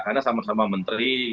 karena sama sama menteri